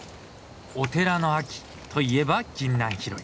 お寺の秋といえばギンナン拾い。